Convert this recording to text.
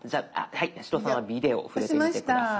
八代さんは「ビデオ」触れてみて下さい。